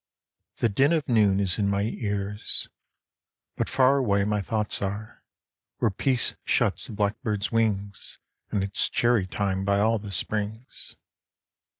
The din Of noon is in my ears, but far away My thoughts are, where Peace shuts the black birds' wings And it is cherry time by all the springs.